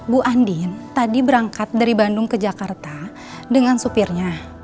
bu andin tadi berangkat dari bandung ke jakarta dengan supirnya